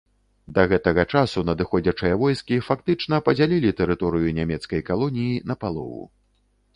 Да гэтага часу надыходзячыя войскі фактычна падзялілі тэрыторыю нямецкай калоніі напалову.